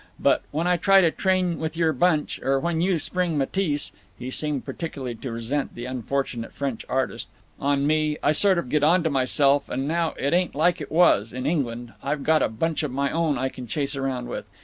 But when I try to train with your bunch, or when you spring Matisse" (he seemed peculiarly to resent the unfortunate French artist) "on me I sort of get onto myself—and now it ain't like it was in England; I've got a bunch of my own I can chase around with.